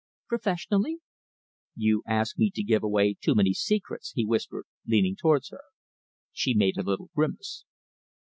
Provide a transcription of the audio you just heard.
"Professionally?" "You ask me to give away too many secrets," he whispered, leaning towards her. She made a little grimace.